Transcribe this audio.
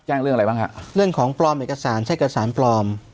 เรื่องอะไรบ้างฮะเรื่องของปลอมเอกสารใช้เอกสารปลอม